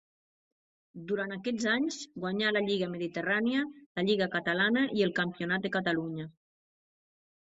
Durant aquests anys guanyà la lliga Mediterrània, la lliga Catalana i el Campionat de Catalunya.